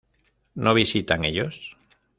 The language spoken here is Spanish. ¿No visitan ellos?